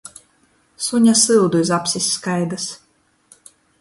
Suņa syudu iz apsis skaidys!